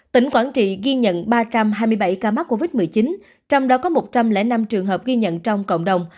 tỉnh quảng trị ghi nhận ba trăm hai mươi bảy ca mắc covid một mươi chín trong đó có một trăm linh năm trường hợp ghi nhận trong cộng đồng